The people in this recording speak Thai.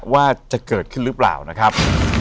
ว่าจะเกิดขึ้นหรือเปล่านะครับ